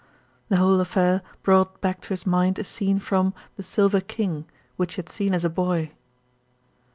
The whole affair brought back to his mind a scene from "The Silver King," which he had seen as a boy.